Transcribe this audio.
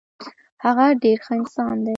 هغه ډیر ښه انسان دی.